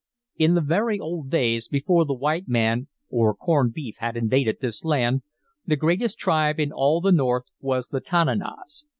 "In the very old days, before the white man or corned beef had invaded this land, the greatest tribe in all the North was the Tananas.